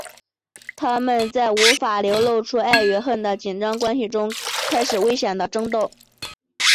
他们在无法流露出爱与恨的紧张关系中开始危险的争斗。